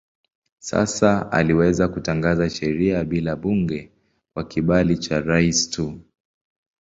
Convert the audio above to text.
Sasa aliweza kutangaza sheria bila bunge kwa kibali cha rais tu.